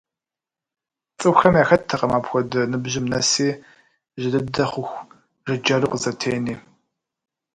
ЦӀыхухэм яхэттэкъым апхуэдэ ныбжьым нэси, жьы дыдэ хъуху жыджэру къызэтени.